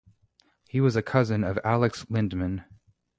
He was a cousin of Alex Lindman.